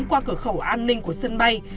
qua cửa khẩu an ninh của sân bay